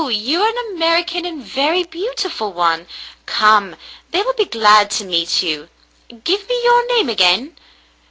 You are an American and a very beautiful one. Come, they will be glad to meet you. Give me your name again."